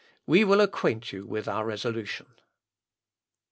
We will acquaint you with our resolution."